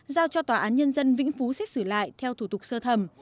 giao cho tòa án nhân dân vĩnh phú xét xử lại theo thủ tục sơ thẩm